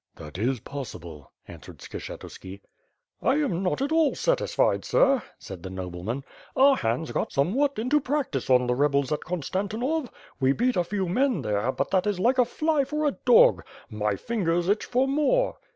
"That is possible," answered Skshetuski. "I am not at all satisfied, sir," said the nobleman, "our hands got somewhat into practice on the rebels at Konstan tinov. We beat a few men there, but that is like a fly for a dog. My fingers itch for more.